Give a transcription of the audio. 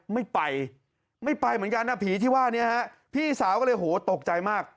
ไม่ไปไม่ไปเหมือนกันนะผีที่ว่านี้ฮะพี่สาวก็เลยโหตกใจมาก